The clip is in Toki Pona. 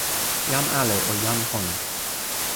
jan ale o jan pona.